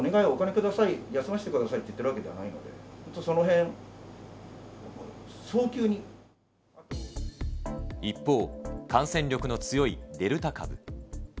ください、休ませてくださいって言ってるわけではないので、ちょっとそのへ一方、感染力の強いデルタ株。